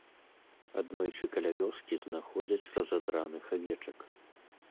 Аднойчы каля вёскі знаходзяць разадраных авечак.